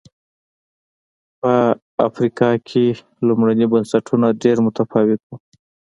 په افریقا کې لومړني بنسټونه ډېر متفاوت و.